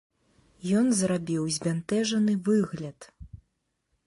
Ён зрабіў збянтэжаны выгляд.